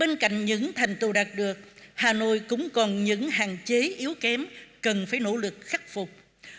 bên cạnh những thành tựu đạt được hà nội cũng còn những hạn chế yếu kém cần phải nỗ lực khắc phục